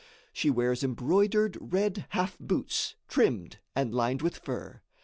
She wears embroidered red half boots, trimmed and lined with fur.